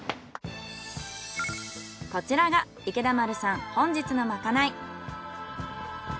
こちらが池田丸さん本日のまかない。